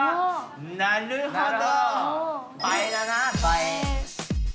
なるほど！